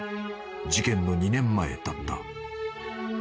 事件の２年前だった］